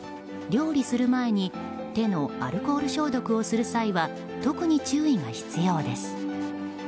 料理する前に手にアルコール消毒をする際は特に注意が必要です。